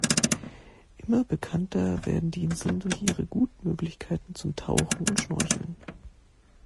Immer bekannter werden die Inseln durch ihre guten Möglichkeiten zum Tauchen und Schnorcheln.